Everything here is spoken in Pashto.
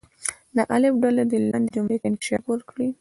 د الف ډله دې لاندې جملې ته انکشاف ورکړي.